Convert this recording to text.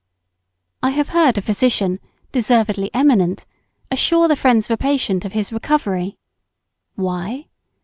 I have heard a physician, deservedly eminent, assure the friends of a patient of his recovery. Why?